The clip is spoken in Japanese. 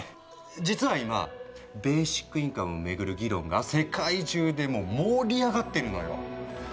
実は今ベーシックインカムをめぐる議論が世界中でも盛り上がってるのよ。